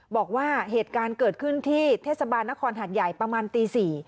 บอกว่าเหตุการณ์เกิดขึ้นที่เทศบาลนครหัดใหญ่ประมาณตี๔